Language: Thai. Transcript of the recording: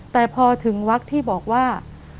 แต่พอถึงวักที่บอกว่า